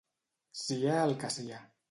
Sia el que sia.